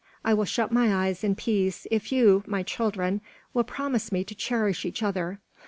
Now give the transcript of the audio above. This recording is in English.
I will shut my eyes in peace if you, my children, will promise me to cherish each other.